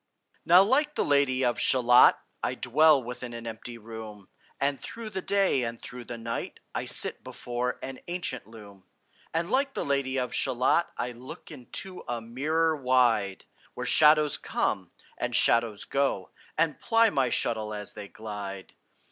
Now like the Lady of Shalott, I dwell within an empty room, And through the day and through the night I sit before an ancient loom. And like the Lady of Shalott I look into a mirror wide, Where shadows come, and shadows go, And ply my shuttle as they glide.